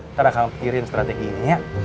ntar aku pikirin strateginya